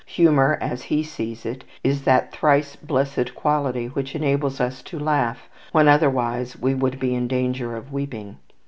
Humour, as he sees it, is that thrice blessed quality which enables us to laugh, when otherwise we should be in danger of weeping.